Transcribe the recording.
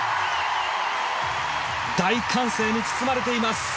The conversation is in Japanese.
大歓声に包まれています。